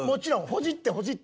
ほじってほじって。